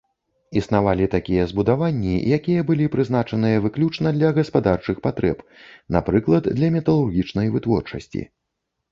Існавалі такія збудаванні, якія былі прызначаныя выключна для гаспадарчых патрэб, напрыклад, для металургічнай вытворчасці.